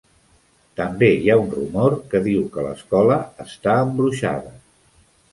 També hi ha un rumor que diu que l'escola està embruixada.